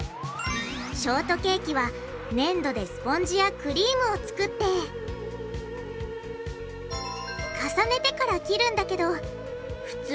ショートケーキはねんどでスポンジやクリームを作って重ねてから切るんだけどほら！